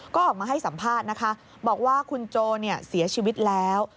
ก็ออกมาให้สัมภาษณ์นะคะบอกว่าคุณโจเสียชีวิตแล้ว